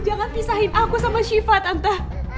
jangan pisahin aku sama syifa tante